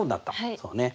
そうね。